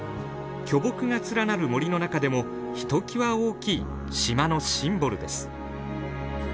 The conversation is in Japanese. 巨木が連なる森の中でもひときわ大きい島のシンボルです。